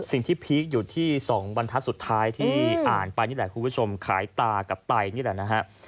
พีคอยู่ที่๒บรรทัศน์สุดท้ายที่อ่านไปนี่แหละคุณผู้ชมขายตากับไตนี่แหละนะฮะ